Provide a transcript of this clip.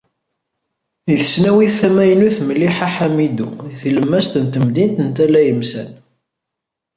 Deg tesnawit tamaynut Mliḥa Hamidu deg tlemmast n temdint n Tala Yemsan.